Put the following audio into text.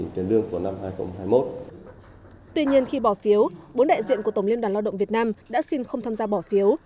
tuy nhiên khi bỏ phiếu bốn đại diện của tổng liên đoàn lao động việt nam đã xin không tham gia bỏ phiếu